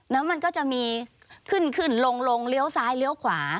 แล้วมันก็จะมีขึ้นขึ้นลงเลี้ยวซ้ายเลี้ยวขวา